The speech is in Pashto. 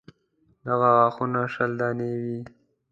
دغه غاښونه شل دانې وي.